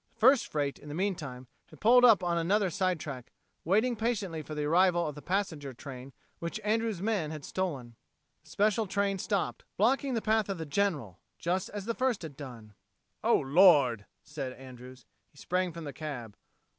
The first freight, in the meantime, had pulled up on another side track, waiting patiently for the arrival of the passenger train which Andrews' men had stolen. The special train stopped, blocking the path of the General, just as the first had done. "Oh, Lord," said Andrews. He sprang from the cab.